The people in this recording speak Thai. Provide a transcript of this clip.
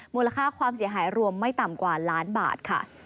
มูลค่าความเสียหายรวมไม่ต่ำกว่าล้านบาทค่ะ